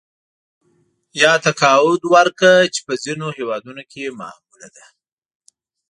یا تقاعد ورکړه چې په ځینو هېوادونو کې معموله ده